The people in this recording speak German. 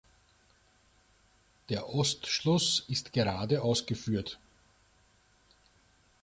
Der Ostschluss ist gerade ausgeführt.